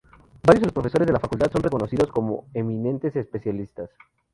Varios de los profesores de la facultad son reconocidos como eminentes especialistas.